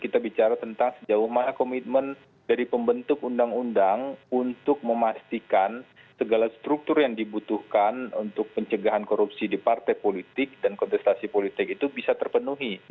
kita bicara tentang sejauh mana komitmen dari pembentuk undang undang untuk memastikan segala struktur yang dibutuhkan untuk pencegahan korupsi di partai politik dan kontestasi politik itu bisa terpenuhi